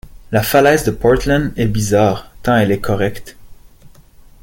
La falaise de Portland est bizarre, tant elle est correcte.